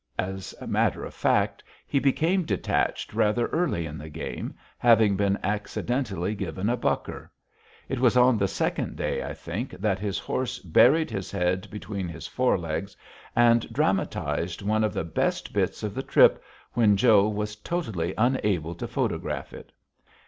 As a matter of fact, he became detached rather early in the game, having been accidentally given a bucker. It was on the second day, I think, that his horse buried his head between his fore legs, and dramatized one of the best bits of the trip when Joe was totally unable to photograph it.